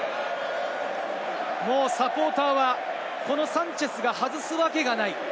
もうサポーターはこのサンチェスが外すわけがない。